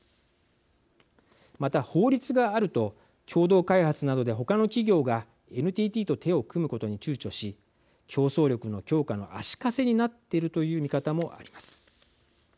また法律があると共同開発などでほかの企業がＮＴＴと手を組むことにちゅうちょし競争力の強化の足かせになっているという見方もあります。